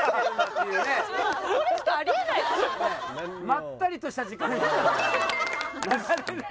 まったりとした時間が流れ。